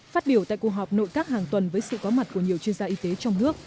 phát biểu tại cuộc họp nội các hàng tuần với sự có mặt của nhiều chuyên gia y tế trong nước